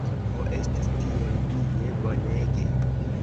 Ho, estis tiel Die bonege!